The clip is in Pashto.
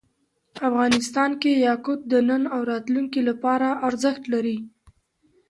افغانستان کې یاقوت د نن او راتلونکي لپاره ارزښت لري.